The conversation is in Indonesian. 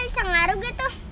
bisa ngaruh gitu